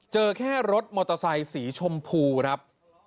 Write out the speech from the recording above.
เจอแค่รถมอเตอร์ไซค์สีชมพูครับ